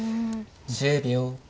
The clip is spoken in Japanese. １０秒。